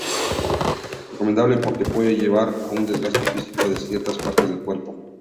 Recomendable porque puede llevar a un desgaste físico de ciertas partes del cuerpo.